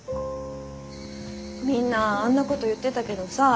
みんなあんなこと言ってたけどさ